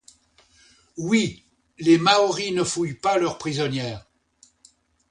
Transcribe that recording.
Oui! les Maoris ne fouillent pas leurs prisonnières !